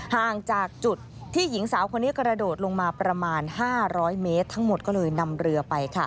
ห่างจากจุดที่หญิงสาวคนนี้กระโดดลงมาประมาณ๕๐๐เมตรทั้งหมดก็เลยนำเรือไป